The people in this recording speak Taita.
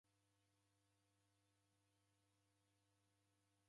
Nammanyisha law'uke daw'ekwana.